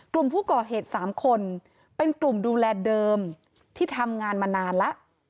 กลุ่มผู้ก่อเหตุ๓คนเป็นกลุ่มดูแลเดิมที่ทำงานมานานแล้ว